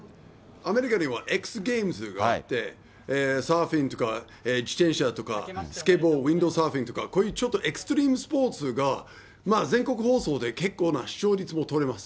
アメリカにはＸゲームズがあって、サーフィンとか自転車とか、スケボー、ウインドサーフィンとか、こういうちょっとエクストリームスポーツが、全国放送で結構な視聴率も取れます。